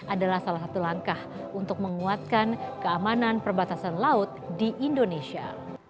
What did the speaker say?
adalah salah satu langkah untuk menguatkan keamanan perbatasan laut di indonesia